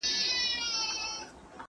ما نه یې یار پۀ پښتو بېل کړ